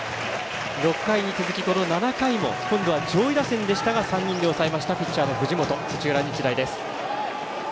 ６回に続き、この７回も今度は上位打線でしたが３人で抑えましたピッチャーの藤本土浦日大です。